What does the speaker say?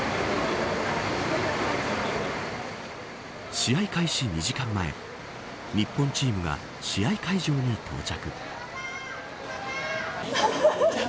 試合開始２時間前日本チームが試合会場に到着。